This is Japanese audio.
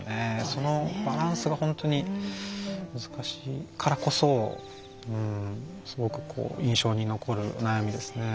そのバランスが本当に難しいからこそすごく印象に残る悩みですね。